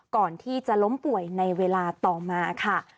ก่อนที่จะล้มป่วยในเวลาต่อมาค่ะ